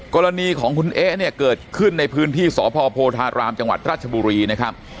กรณีของคุณเอ๊ะเนี่ยเกิดขึ้นในพื้นที่สพโพธารามจังหวัดราชบุรีนะครับ